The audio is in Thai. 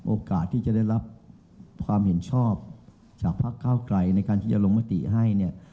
โอกาสที่จะได้รับความเห็นชอบจากพักเก้าไกลในการที่จะลงมติให้เนี่ย